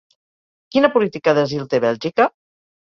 Quina política d’asil té Bèlgica?